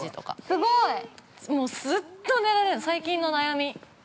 ◆すごい！◆ずっと寝られる、最近の悩み。